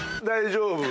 大丈夫。